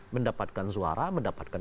mendapatkan suara mendapatkan